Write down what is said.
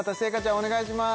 お願いします